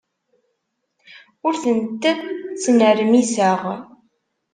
Ur tent-ttnermiseɣ.